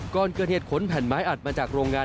ก่อนเกิดเหตุขนแผ่นไม้อัดมาจากโรงงาน